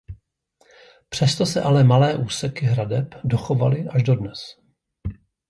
Přesto se ale malé úseky hradeb dochovaly až dodnes.